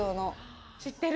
知ってる！